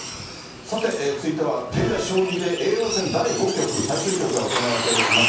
さて続いては、現在、将棋で叡王戦第５局、最終局が行われています。